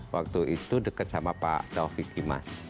waktu itu dekat sama pak taufik imas